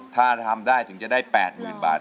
ถ้าทำได้ถึงจะได้๘๐๐๐บาท